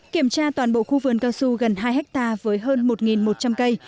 kiểm tra toàn bộ khu vườn cao su gần hai hectare với hơn một một trăm linh cây